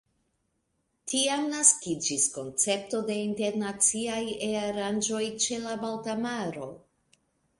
Tiam naskiĝis koncepto de internaciaj E-aranĝoj ĉe la Balta Maro.